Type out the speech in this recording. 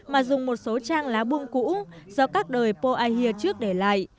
mà dùng một số trang lá buông cũ do các đời po a hia trước để lại